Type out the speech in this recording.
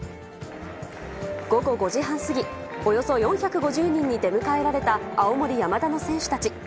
午後５時半過ぎ、およそ４５０人に出迎えられた青森山田の選手たち。